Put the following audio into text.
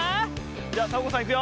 じゃあサボ子さんいくよ。